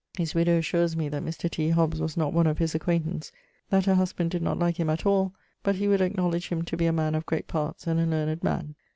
His widowe assures me that Mr. T. Hobbs was not one of his acquaintance, that her husband did not like him at all, but he would acknowledge him to be a man of great parts, and a learned man.